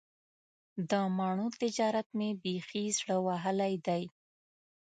د مڼو تجارت مې بیخي زړه وهلی دی.